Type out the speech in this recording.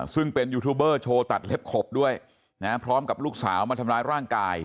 ซึ่งเป็นยูทูบเบอร์โชว์ตัดเล็บขบด้วยพร้อมกับลูกสาวมาทำร้ายร่างกาย